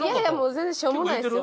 全然しょうもないですよ。